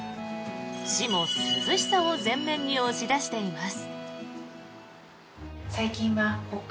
市も涼しさを前面に押し出しています。